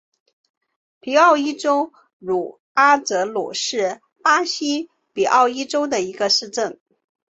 皮奥伊州茹阿泽鲁是巴西皮奥伊州的一个市镇。